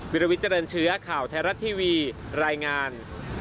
วิลวิเจริญเชื้อข่าวไทยรัฐทีวีรายงาน